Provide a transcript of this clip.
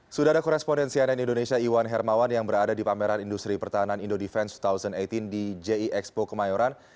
sudah ada korespondensi ann indonesia iwan hermawan yang berada di pameran industri pertahanan indo defense dua ribu delapan belas di ji expo kemayoran